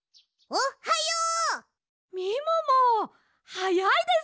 おはよう。